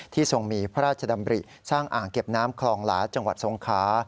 ทรงมีพระราชดำริสร้างอ่างเก็บน้ำคลองหลาจังหวัดทรงคา